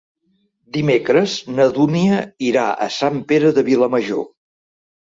Dimecres na Dúnia irà a Sant Pere de Vilamajor.